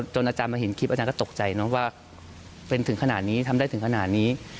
อาจารย์มาเห็นคลิปอาจารย์ก็ตกใจเนอะว่าเป็นถึงขนาดนี้ทำได้ถึงขนาดนี้